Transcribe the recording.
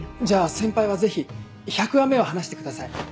じゃあ先輩はぜひ１００話目を話してください。